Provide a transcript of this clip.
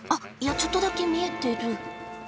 ちょっとだけ見えてる。